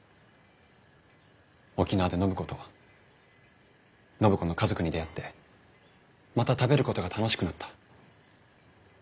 沖縄で暢子と暢子の家族に出会ってまた食べることが楽しくなった。